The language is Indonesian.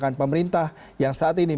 kebijakan pemerintah yang saat ini